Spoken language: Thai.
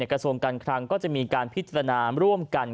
กระทรวงการคลังก็จะมีการพิจารณาร่วมกัน